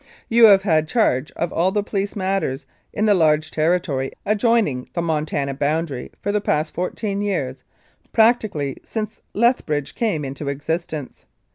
"You have had charge of all police matters, in the large territory adjoining the Montana boundary, for the past fourteen years, practically since Lethbridge came into existence.